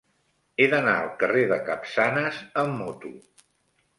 He d'anar al carrer de Capçanes amb moto.